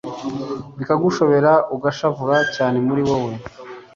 bikagushobera ugashavura cyane muri wowe